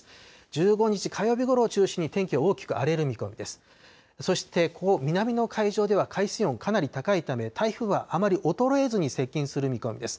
１５日火曜日ごろを中心に、天気は大きく荒れる見込みです。